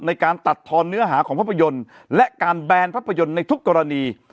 ในการตัดทอนเนื้อหาของภาพยนตร์และการแบนภาพยนตร์ในทุกกรณี